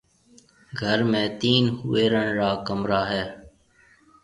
گھر ۾ تين ھوئيرڻ را ڪمرا ھيََََ